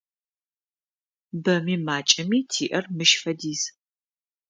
Бэми макӏэми тиӏэр мыщ фэдиз.